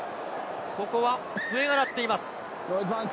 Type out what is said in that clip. ここは笛が鳴っています。